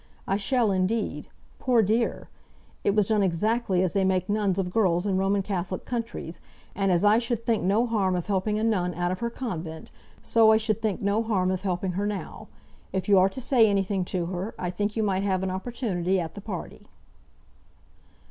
I shall indeed. Poor dear! It was done exactly as they make nuns of girls in Roman Catholic countries; and as I should think no harm of helping a nun out of her convent, so I should think no harm of helping her now. If you are to say anything to her, I think you might have an opportunity at the party."